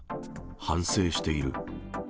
反省している。